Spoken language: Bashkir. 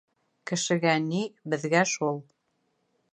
Кешегә ни, беҙгә шул.